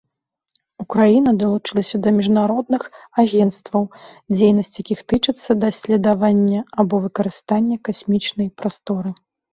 Украіна далучылася да міжнародных агенцтваў, дзейнасць якіх тычыцца даследавання або выкарыстання касмічнай прасторы.